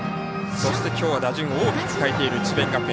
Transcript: そして、きょう打順を大きく変えている智弁学園。